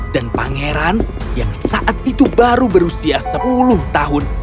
dan pangeran yang saat itu baru berusia sepuluh tahun